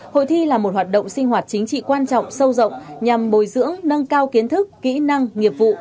hội thi là một hoạt động sinh hoạt chính trị quan trọng sâu rộng nhằm bồi dưỡng nâng cao kiến thức kỹ năng nghiệp vụ